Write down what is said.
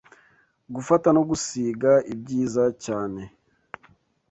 Gufata no gusiga ibyiza cyane